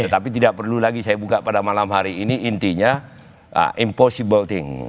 tapi tidak perlu lagi saya buka pada malam hari ini intinya impossible thing